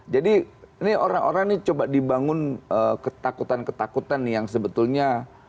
jadi orang orang ini coba dibangun ketakutan ketakutan yang sebetulnya